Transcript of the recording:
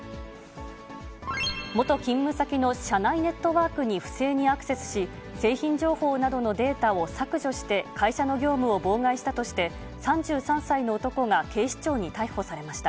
元勤務先の社内ネットワークに不正にアクセスし、製品情報などのデータを削除して、会社の業務を妨害したとして、３３歳の男が警視庁に逮捕されました。